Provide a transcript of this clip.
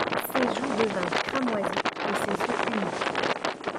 Ses joues devinrent cramoisies, et ses yeux humides.